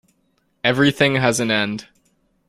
Everything has an end.